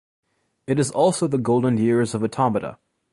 It is also the golden years of automata.